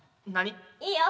いいよ！